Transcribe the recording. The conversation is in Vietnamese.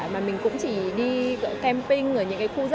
mà mình cũng chỉ đi camping ở những cái khu vực này